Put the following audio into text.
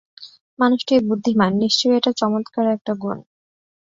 মানুষটি বুদ্ধিমান, নিশ্চয়ই এটা চমৎকার একটা গুণ।